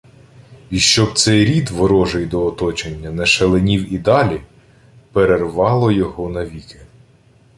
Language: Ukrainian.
І щоб цей рід, ворожий до оточення, не шаленів і далі, – перервало його навіки